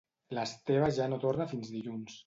L'Esteve ja no torna fins dilluns